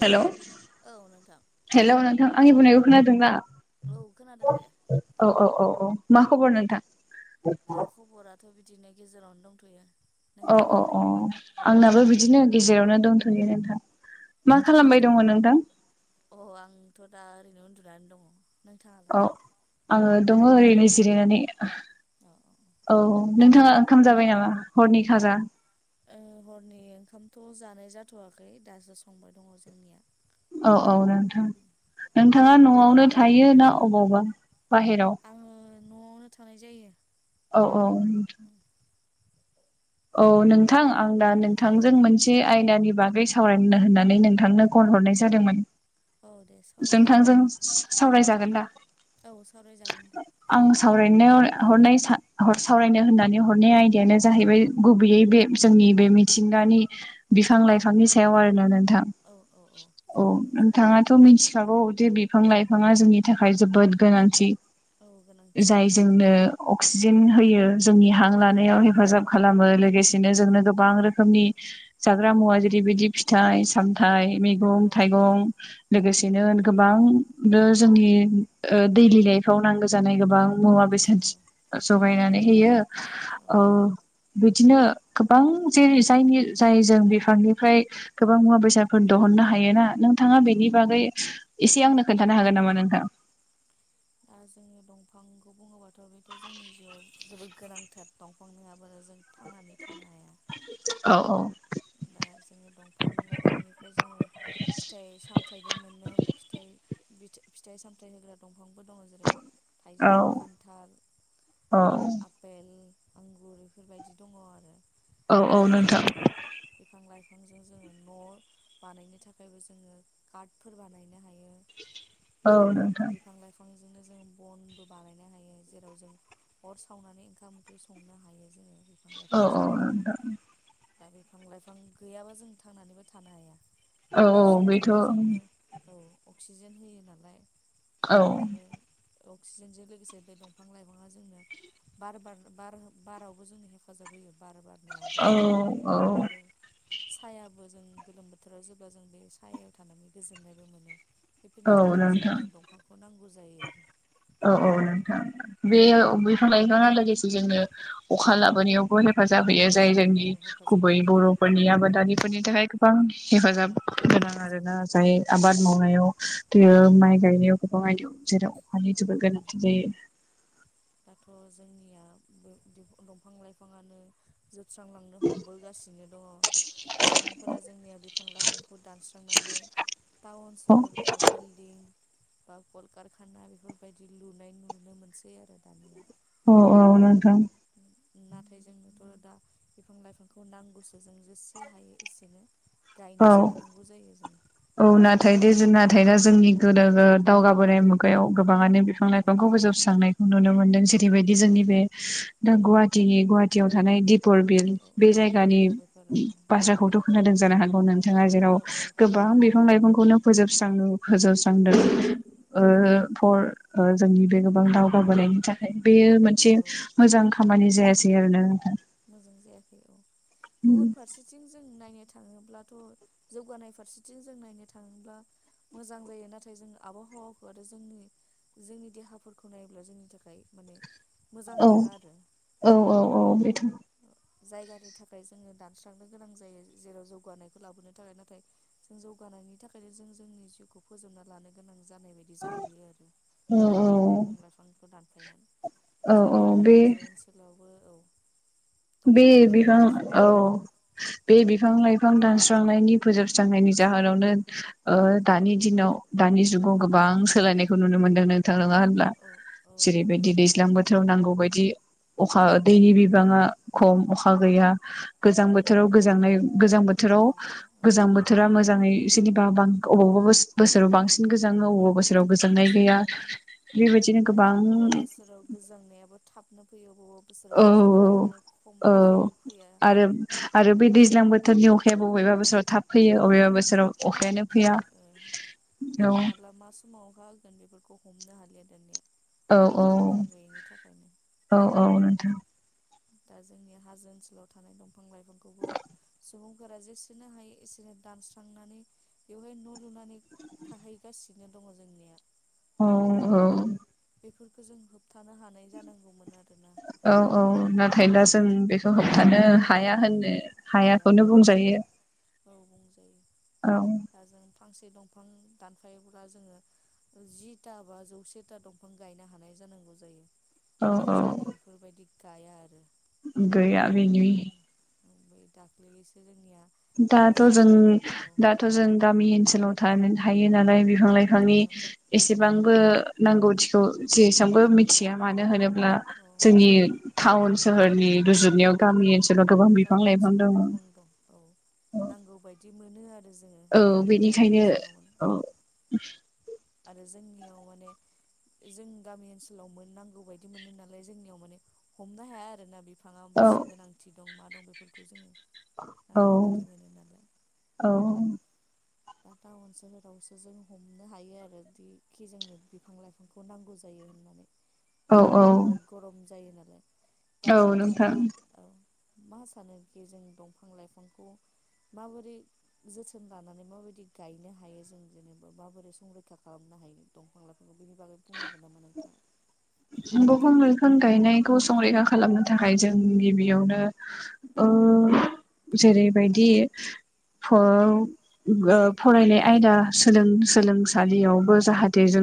Hello औ नोंथां hello नोंथां आंनि बुंनायखौ खोनादोंना। औ खोनादों दे औ औ औ औ मा खबर नोंथां। दा खबराथ' बिदिनो गेजेरावनो दंथ'यो। औ औ नोंथांनालाय अ आंनाबो बिदिनो गेजेरावनो दंथ'यो नोंथां। मा खालामबाय खालामदों दङ नोंथां? अ आंथ' दा ओरैनो उन्दुनानै दङ औ नोंथाङालाय आङो दङ ओरैनो जिरायनानै अ औ नोंथाङा ओंखाम जाबाय नामा हरनि खाजा हरनि ओंखामथ' जानाय जाथ'वाखै दासो संबाय दङ जोंनिया औ औ नोंथां नोंथाङा न'आवनो थायो ना अबावबा बाहेराव आङो न'आवनो थानाय जायो औ औ नोंथां औ नोंथां आं दा औ नोंथांजों मोनसे आयदानि बागै सावरायनो होननानै नोंथांनो कल हरनाय जादोंमोन औ दे सावरायजागोन नोंथांजों सावरायजागोन दा औ सावरायजागोन दे आं सावरायनायाव हरनाय सावरायनो होननानै हरनाय आयदायानो जाहैबाय गुबैयै बे जोंनि बे मिथिंगानि बिफां औ लाइफांनि सायाव आरोना नोंथां औ औ औ जागोन दे सावराय जागोन। नोंथाङाथ' मिथिखागौ जे बिफां लाइफाङा जोंनि थाखाय जोबोद गोनांथि औ गोनांथि जाय जोंनो अक्सिजेन होयो जोंनि औ हां लानायाव हेफाजाब खालामो लोगोसेनो औ जोंनो गोबां रोखोमनि जाग्रा मुवा जेरैबायदि फिथाइ सामथाइ मैगं औ थाइगं लोगोसेनो गोबां जोंनि दैलि लाइफव नांगौ जानाय गोबां मुवा नांगौ बेसाद जानाय जगायनानै होयो औ बिदिनो गोबां जे जायनि जाय जों बिफांनिफ्राय गोबां मुवा बेसादफोर दहुन नो हायो ना नोंथाङा बेनि औ औ औ बागै एसे आंनो खोन्थानो हागोन नामा नोंथां दा जोङो दंफांखौ बुङोबाथ' बेथ' जोंनि जिउआव जोबोद गोनांथार दंफां नङाब्ला जों थां थांनानै थानो हाया औ औ जेरै दंफां लाइफांनिफ्राय जोङो फिथाइ सामथायाइबो मोनो फिथाइ फिथाइ सामथाय होग्रा दं दंफांबो दङ जेरै औ थाइजौ खान्थाल औ आपेल आंगुर बेफोरबायदि दङ आरो औ औ दा नोंथां जोंनो बिफां लाइफां जे जोङो न' बानायनो थाखायबो जोङो काडफोर बानायनो हायो। औ नोंथां बिफांजोंनो जों बनबो बानायनो हायो जेराव जों अर सावनानै ओंखाम ओंख्रि संनो हायो जोङो बिफां अ औ लाइफांजोंनो नोंथां दा बिफां लाइफां गैयाबा जों थांनानैबो थानो हाया औ औ जिहेथु बेथ' बे औ जोंनो औ अक्सिजेन होयो नालाय औ बेखायनो आरो अक्सिजेनजों लोगोसे बे दंफां लाइफाङा जोंनो बार बार बार बारावबो जोंनो हेफाजाब होयो बार बारनायावबो औ साहायाबो जों गोलोम बोथोराव जेब्ला जों बे सायायाव थानानै गोजोननायबो मोनो बेफोरनि औ थाखायनो नोंथां जोंनो दंफांखौ नांगौ जायो आरो औ औ नोंथां बेयो बिफां लाइफाङा लोगोसे जोंनो अखा लाबोनायावबो हे हेफाजाब होयो औ जाय औ जोंनि हेफाजाब गुबै होयो औ बर'फोरनि आबादारिफोरनि थाखाय गोबां हेफाजाब गोनां हेफाजाब आरोना होयो औ जाय आबाद मावनायाव थेयो माइ गायनायाव गोबां आय दं जेराव अखानि औ जोबोर औ गोनांथि जायो दाथ' जोंनिया बो दंफां लाइफाङानो जोब स्रांलांनो हमबोगासिनो दङ। सुबुंफोरा जोंनिया बिफां लाइफांखौ दानस्रांनानै टाउन औ सहर बा बिल्डिं बा कलकारखाना बेफोरबायदि लुनाय नुनो मोनसै आरो दानिया औ औ नोंथां नाथाय जोंनोथ' दा बिफां लाइफांखौ नांगौसो जों जेसे हायो एसेनो औ गायनोसो हानांगौ जायो जों औ नाथाय दे जों नाथाय दा जोंनि गोनोखो दावगाबोनाय मुगायाव गोबाङानो बिफां औ लाइफांखौ फोजोबस्रांनायखौ नुनो मोनदों जेरैबायदि औ जोंनि बे दा गुहाटिनि गुहाटि याव थानाय दि औ फरबिल औ बे जायगानि औ बेफोराव उम बाथ्राखौथ' खोनादों जानो हागौ नोंथाङा जेराव औ औ गो बां खोनादों औ बिफा लाइफांखौनो फोजोबस्रां- फोजोबस्रांदों ओ औ फर ओ जोंनि बे गोबां दावगाबोनायनि थाखाय बेयो मोनसे मोजां खामानि जायासै आरो ना नोंथां। मोजां जायाखै, औ गुबुन फारसेथिं जों जों नायनो थाङोब्लाथ' जौगानाय फारसेथिं जों नायनो थाङोब्ला मोजां जायो नाथाय जों आबहावाखौ आरो जोंनि जोंनि देहाफोरखौ नायोब्ला जोंनि थाखाय माने मोजां नङा आरो औ-औ-औ-औ बेथ' जायगानि थाखाय जोङो दानस्रांनो गोनां जायो जेराव जौगानायखौ लाबोनो थाखाय नाथाय जों जौगा नायनि थाखायनो जों जोंनि जिउखौ फोजोबना लानो गोनां जानाय बायदि जाहैयो आरो औ औ दंफां लाइफांखौ दानफायनानै दा औ औ जोंनिया बे हाजो ओनसोलावबो औ बे दंफां लाइफां बिफां औ दानस्रांनानै बे बिफां लाइ फां दानस्रांनायनि फोजोबस्रांनायनि जाहोनावनो ओ दानि दिनाव दानि जुगाव औ गोबां सोलायनायखौ नुनो मोनदों नोंथां नङा होनब्ला औ औ नुदों जेरैबायदि दैज्लां बोथोराव नांगौ बदि अखा गैया दैनि औ बिबाङा खम अखा गैया औ गोजां बोथोराव गोजांनाय गोजां बोथोराव बिबा औ गोजां बोथोरा मोजाङै जेनेबा बां अबावबाब बोसोराव बांसिन गोजां अबेबा बोसोराव गोबां गोजांनाय बोसोराव गैया औ बेबायदिनो आरो गोबां बबेबा बोसोराव गोजांनायाबो थाबनो फैयो गोबाव औ-औ-औ फैया आरो- आरो बे दैज्लां बो बोथोरनि अखायो अबेबा बोसोराव थाब औ फैयो अबेबा बोसोराव अखायानो थाब फैया ओ औ आरो माला मा समाव अहा होगोन बेफोरखौ हमनो हालिया दानिया दंफां लाइफां गैयैनि थाखायनो औ-औ-औ-औ नोंथां दा जोंनि हाजो ओनसोलाव थानाय दंफां लाइफांखौबो सुबुंफोरा जेसेनो हायो एसेनो दान स्रांनानै बेवहाय न' लुनानै थाहैगासिनो दङ जोंनिया औ-औ बेफोरखौ जों होबथानो हानाय जानांगौमोन आरो औ-औ नाथाय दा जों बेखौ होब थानो औ हाया होननो हाया हायाखौनो औ बुंजायो। औ बुंजायो औ दा जों फांसे दंफां दानफायोब्ला जोङो जिथा बा जौसेथा दंफां गायनो हानाय जानांगौ जायो औ औ नाथाय जोंनिया बेफोरबायदि गाया आरो गैया बिनि ओमफाय दाख्लैसो जोंनिया बा दाथ' जों जुनाव औ दाथ' जों गामि ओनसोलाव थानो हायो नालाय बिफां लाइ फांनि औ एसेबांबो नांगौथिखौ जेसांबो मिथिया मानो होनोब्ला ब्ला औ जोंनि टाउन सोहोरनि रुजुनायाव गामि ओनसोल गामि ओनसोलाव गोबां दं औ नांगौ बायदि मोनो आरो। जोङो औ नाथाय थाउन बेनिखायनो ओनसोलावनो औ। आरो जोंनियाव माने जों गामि ओनसोलाव मोन नांगौ बायदि मोनो नालाय जोंनियाव माने हमनो हाया आरोना बेफोर फाङा बेसे गोनांथि दं मा दं बेफोरखौ जोङो औ नांगौ बायदि मोनो नालाय औ। दा टाउन सोहोरावसो जों हमनो हायो आरो बिखि जोंनो बिफां लाइफांखौ नांगौ जायो। होननानै [inaudible] बेवहाय गरम जायो नालाय दा औ नोंथाङा नोंथां औ। मा सानो बे जोंनि दंफां लाइफांखौ? माबोरै जोथोन लानानै माबायदि गायनो हायो जों जेनेबा माबोरै संरैखा खालामनो हायो दंफां [inaudible] लाइफांखौ बेनि बागै बुंनो हागोन नामा नोंथां? दंफां लाइफां गायनायखौ संरैखा खालामनो थाखाय जों गिबियावनो ओ ओ जेरैबायदि खौ ओ फरायनाय आयदा सोलों सोलोंसालियावबो जाहाथे जों ओ जों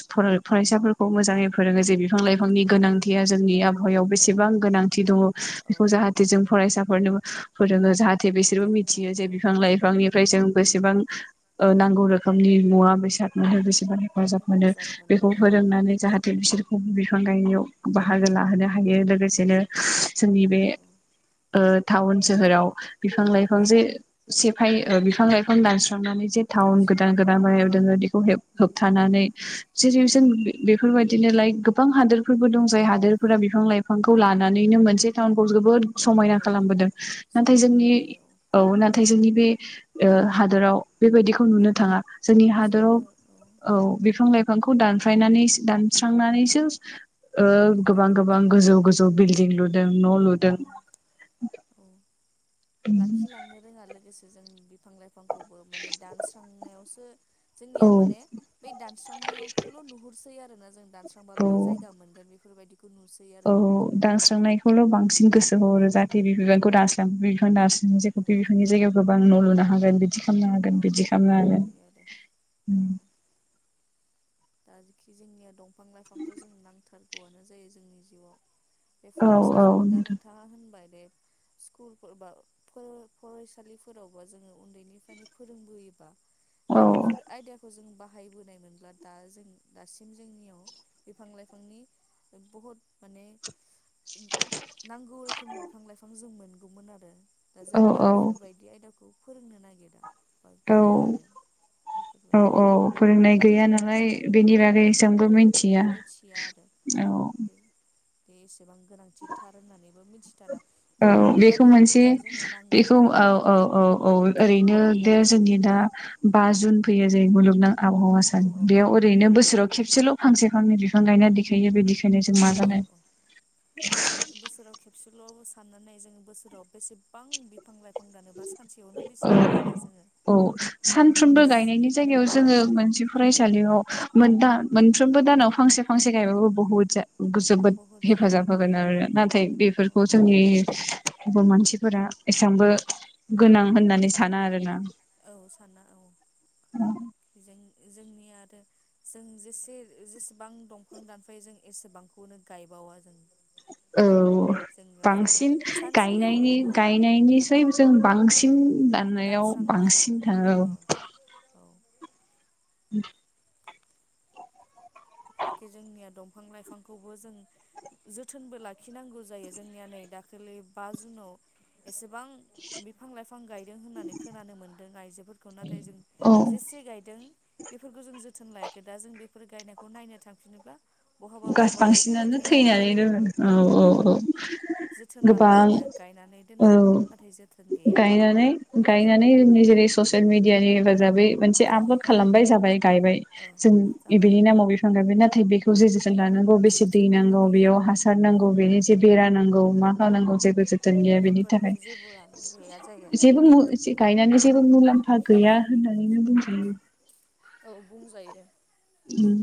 फरायसा मोजाङै फोरोङो जे बिफां लाइफां फांनि फरायसाफोरखौ गोनांथिया जोंनि आबहावायाव मोजाङै फोरोङो जोंहा फरायफोरनि बेसेबां गोनांथि दङ'। गोनांथिया जोंनि बेखौ आबहावायाव जाहाथे जों फरायसाफोरनोबो फोरोङो जाहाथे बिसोरबो बेसेबां मिथियो गोनांथि जे दङ बेखौ जों जाहाथे बिफां लाइफांनिफ्राय जों बेसेबां ओ नांगौ रोखोमनि मुवा बेसाद मोनो बेसेबां हेफाजाब जों फरायसाफोरनो फोरोङो जाहाथे बिसोरबो मिथियो जे बिफां लाइफांनिफ्राय जों बेसेबां नांगौ रोखोमनि मुवा बेसाद मोनो। बो औ फोरोंनानै जाहाथे बिसोरखौ बिफां गायनायाव बाहागो लाहोनो हायो। गायनायाव बाहागो लोगोसेनो लाहोनो जोंनि बे हायो ओ टाउन सोहोराव बिफां लाइफां जे सेफाय ओ बिफां लाइफां दानस्रांनानै एसे टाउन गोदान लोगोसेनो जोंनि बे ओनसोलाव खथा गोराबाय गोदान [unintelligible] बेखौ बिल्डिं औ खौ होबथानानै लानानै जेरै जों बे-बेफोरबायदिनो लाइक गोबां हादोरफोरबो दंजायो हादोरफोरा बिफां लाइफांखौ लानानैनो मोनसे बे टाउनखौ जोबोद समायना मोनसे औ औ खालामबोदों। नाथाय समायना जोंनि खालामबोयो औ नाथाय जोंनि बे ओ हादराव बेबायदिखौ नुनो थाङा जोंनि हादराव औ बिफां लाइफां फांखौ दानफायनानै दानस्रांनानैसो ओ गोबां बिल्डिंफोरखौ गोबां बानायो गोजौ गोजौ बिल्डिं लुदों न' लुदों। औ औ, लाखिलांनो रोङा लोगोसे जों बिफां लाइफांखौबो माने दानस्रांनायावसो जोंनिया औ माने बै दानस्रांनायाव खौल नुहुरसै आरोना जों औ दानस्रांबानो जायगा मोनगोन बेफोरबायदि औ दानस्रांनायखौल' बांसिन गोसो औ होहरो जाहाथे [unintelligible] बिफां औ दानस्रा [unintelligible] गोबां न' लुनो हागोन बिदि बिदि खालामनो हागोन औ बिदि खालामनो बेफोरखौ हागोन नुयो आरो ओम। दा जिखि जोंनिया दंफां लाइफांखौ जोंनो नांथारगौआनो जायो जोंनि जिउआव। बे हागोन औ औ फरायसाफोरखौ दा नोंथां नोंथाङा होनबाय दे [inaudible] स्कुलफोर बा फोर फरायसालिफोरावबा जोङो उन्दैनिफ्रायनो फोरोंबोयोबा औ जुदि बेफोर आइदियाखौ जों बाहायबोनाय मोनब्ला दा जों दासिम जोंनियाव बिफां लाइफांनि बहुत माने उम नांगौ रोखोमनि बिफां लाइफां जों मोनगौमोन आरो। दा जोंनियाव औ बेफोरबायदि आयदाखौ फोरोंनो नागिरा। बा औ गैया आरो औ बेफोरबायदि औ फोरोंनाय गैया नालाय बेनि बागै औ जोंबो मिथिया मिथिया आरो औ। बे बे एसेबां गोनांथिथार होननानैबो मिथिथारा। औ बुङोल' बेखौ आरो मोनसे एखे जोंनो नांगौ बेखौ औ बेफोरबायदि औ-औ-औ-औ ओरैनो बे दे जोंनि दा औ [unintelligible] जै मुलुगनां आबहावा औ सान बेयाव औ ओरैनो बोसोराव खेबसेल फांसे फांनै बिफां गायना देखायो बेदिसो औ [unintelligible] बिसोरल साननानै जों बोसोराव बेसेबां बिफां लाइफां दानोबा सा [unintelligible] औ सानफ्रोमबो बेसे गायनायनि जायगायाव औ जोङो मोनसे फरायसालियाव मोन दा मोनफ्रोमबो दानाव फांसे-फांसे गायबाबो बहुत जा जोबोद बहुद जायो हेफाजाब होगोन आरो नाथाय औ बेफोरखौ जोंनि गुबुन मानसिफोरा एसांबो गोनां होननानै साना आरोना। औ साना औ जोंनि जोंनि आरो जों जेसे जेसेबां दंफां दानफायो जों एसेबांखौनो गायब औ जोङो फां बांसिन सानसेयाव गायनायनि औ गायनायनिसै जों बांसिन सिन दाननायाव दानस्रांनायाव बांसिन थाङो औ। औ होम जोंनिया दंफां-लाइफांखौबो जों जोथोनबो लाखिनांगौ जायो जोंनिया नै दाखालि लै बा जुनाव एसे औ गोबां बेफोरखौ जों जोथोन लायाखै दा जों बेफोर गायनायखौ नायनो थांफिनोब्ला। बहाबा बहाबा बिफाङा बांसिनानो थैनानै दङ दोङो औ औ औ जोथोन लानाय गोबां गैया गायनानै दोनो औ नाथाय जोथोन गैया गायनानै बिदिजों गायनानै जोंनि औ। जेरै ससियेल मिडियानि हेफाजाबै मोनसे औ आपलद खालामबाय जाबाय गायबाय औ जों जाबाय एबेनि नामाव बिफां गायबाय नाथाय बेखौ जो थोन लानांगौ बेसे दै जोथोन लानाय नांगौ गैया बेयाव हासार औ नांगौ बेनि जे बेरा नांगौ मा नांगौ जेबो औ जोथोन गैया बेनि बेफोरनि थाखाय जेबोआनो गैया जायो जे जेबो मु गायनानैबो जेबो मुलाम्फा मुलाम्फा गैया होननानैनो बुंजायो। औ बुंजायो। उम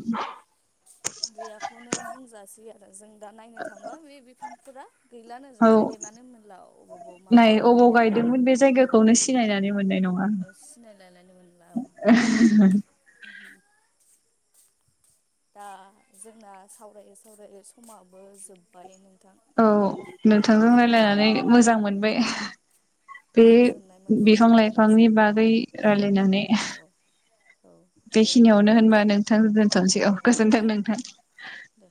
गैयाखौनो बुंजासै आरो जों दा नायनो थांबा बे बिफांफोरा गैलानो जों औ नागिरनानै मोनला अबेबाव मा नाय बिफां अबाव गायदोंमोन बे औ। जायगाखौनो सिनायनानै मोननाय औ सिनायलायनानो मोनला औ। ओहहोम दा जोंना सावरायै-सावरायै समाबो जोबबाय नो। औ नोंथांजों रायलायनानै मोजां मोनबाय बे गोजोननाय मोनबाय नोंथांजों बिफां-लाइफांनि सावरायनो बागै रायलायनानै औ औ दे होमबा ना बेखिनियावनो होनबा नोंथां दोन्थ'नोसै औ गोजोनथों औ नोंथां। [inaudible] दे